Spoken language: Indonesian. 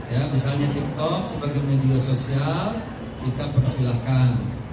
ya misalnya tiktok sebagai media sosial kita persilahkan